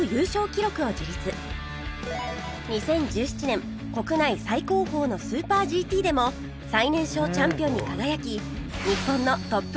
２０１７年国内最高峰のスーパー ＧＴ でも最年少チャンピオンに輝き